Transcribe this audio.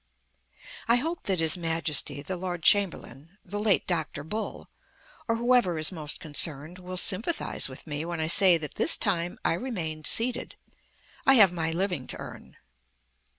I hope that His Majesty, the Lord Chamberlain, the late Dr. Bull, or whoever is most concerned, will sympathize with me when I say that this time I remained seated. I have my living to earn.